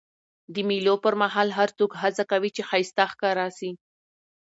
د مېلو پر مهال هر څوک هڅه کوي، چي ښایسته ښکاره سي.